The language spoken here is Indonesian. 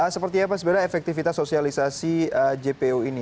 seperti apa sebenarnya efektivitas sosialisasi jpo ini